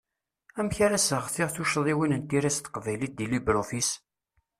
Amek ara seɣtiɣ tuccḍiwin n tira s teqbaylit di LibreOffice?